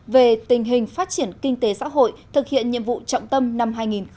về tình hình phát triển kinh tế xã hội thực hiện nhiệm vụ trọng tâm năm hai nghìn hai mươi